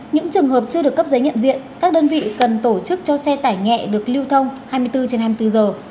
những trường hợp chưa được cấp giấy nhận diện các đơn vị cần tổ chức cho xe tải nhẹ được lưu thông hai mươi bốn trên hai mươi bốn giờ